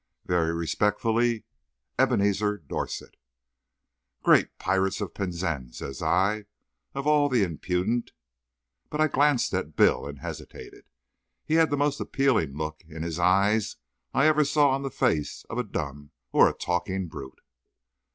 Very respectfully, EBENEZER DORSET. "Great pirates of Penzance!" says I; "of all the impudent—" But I glanced at Bill, and hesitated. He had the most appealing look in his eyes I ever saw on the face of a dumb or a talking brute.